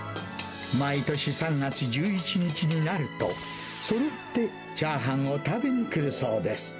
毎年３月１１日になると、そろってチャーハンを食べにくるそうです。